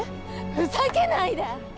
ふざけないで！